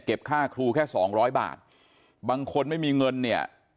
ค่าครูแค่สองร้อยบาทบางคนไม่มีเงินเนี่ย